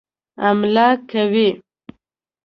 حمله کوي.